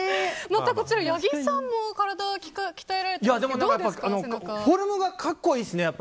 またこちら、八木さんも体を鍛えられてますがフォルムが格好いいですね。